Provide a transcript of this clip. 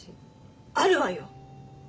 あるわよ！